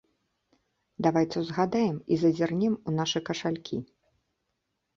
Давайце ўзгадаем і зазірнем у нашы кашалькі.